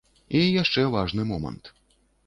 І яшчэ важны момант.